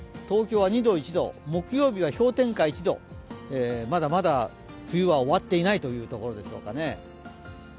東京は２度、１度、木曜日は氷点下１度、まだまだ冬は終わっていないというところでしょうかね。